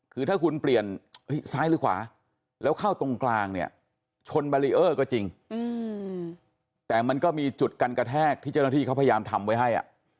คือถ้าคุณเปลี่ยนซ้ายหรือขวาแล้วเข้าตรงกลางเนี่ยชนบารีเออร์ก็จริงแต่มันก็มีจุดกันกระแทกที่เจ้าหน้าที่เขาพยายามทำไว้ให้